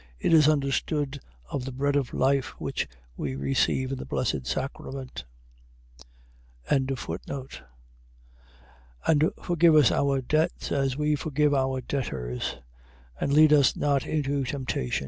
It is understood of the bread of life, which we receive in the Blessed Sacrament. 6:12. And forgive us our debts, as we also forgive our debtors. 6:13. And lead us not into temptation.